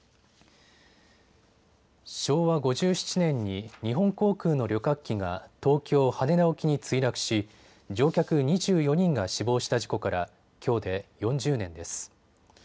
昭和５７年に日本航空の旅客機が東京羽田沖に墜落し乗客２４人が死亡した事故からきょうで４０年です。